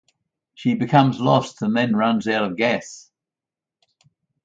She becomes lost and then runs out of gas.